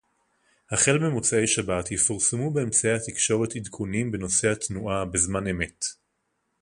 החל ממוצאי-שבת יפורסמו באמצעי התקשורת עדכונים בנושא התנועה בזמן אמת